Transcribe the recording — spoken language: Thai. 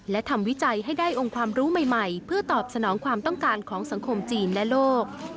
และทำวิจัยให้ได้องค์ความรู้ใหม่เพื่อตอบสนองความต้องการของสังคมจีนและโลก